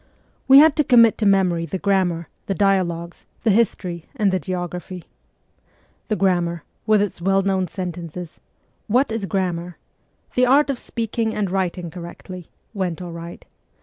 We had to commit to memory the grammar, the dialogues, the history, and the geography. The grammar, with its well known sentences, ' What is grammar ?'' The art of speaking and writing correctly,' went all right.